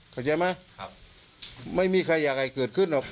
เข้าใจไหมไม่มีใครอยากให้เกิดขึ้นหรอก